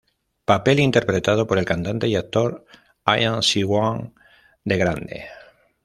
Papel interpretado por el cantante y actor Im Si-wan de grande.